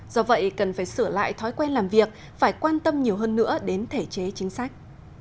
do vậy cần phải sửa lại thói quen làm việc phải quan tâm nhiều hơn nữa đến thể chế chính sách